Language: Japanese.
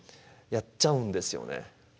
やっちゃうんですよね。